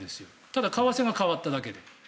ただ、為替が変わっただけで。